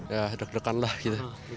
ya deg degan lah gitu